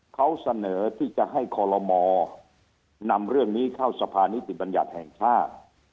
เขาเสนอที่จะให้คอลโลมนำเรื่องนี้เข้าสภานิติบัญญัติแห่งชาติ